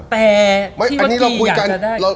แต่ที่วันนี้อยากจะได้